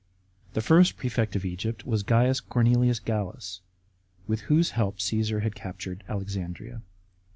The first prefect of Egypt was C. Cornelius Gallus, with whose help Caesar had captured Alexandria.